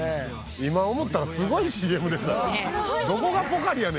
今思ったらすごいＣＭでしたね。